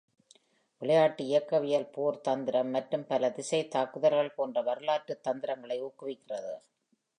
விளையாட்டு இயக்கவியல் போர் தந்திரம் மற்றும் பல திசை தாக்குதல்கள் போன்ற வரலாற்று தந்திரங்களை ஊக்குவிக்கிறது.